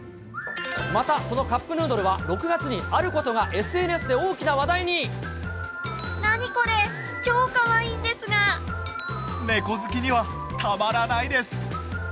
また、そのカップヌードルは、６月に、あることがＳＮＳで大き何これ、猫好きにはたまらないです。